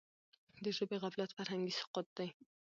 د ژبي غفلت فرهنګي سقوط دی.